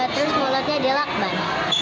terus mulutnya dilakban